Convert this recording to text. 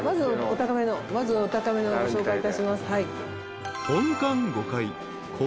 お高めのをご紹介いたします。